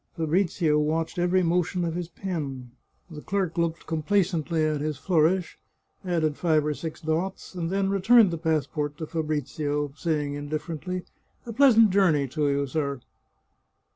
Fabrizio watched every motion of his pen. The clerk looked com placently at his flourish, added five or six dots, and then re turned the passport to Fabrizio, saying indifferently, " A pleasant journey to you, sir."